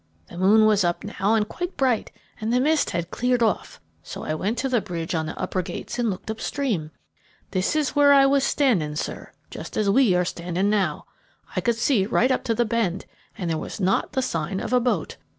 The moon was up now and quite bright, and the mist had cleared off, so I went to the bridge on the upper gates and looked up stream. This is where I was standing, sir, just as we are standing now. I could see right up to the bend, and there was not the sign of a boat.